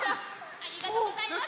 ありがとうございます！